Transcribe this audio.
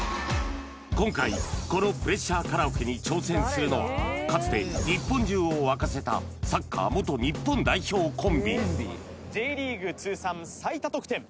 今回このプレッシャーカラオケに挑戦するのはかつて日本中を沸かせたサッカー元日本代表コンビよろしくお願いします